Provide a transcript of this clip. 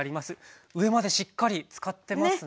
上までしっかり浸かってますね。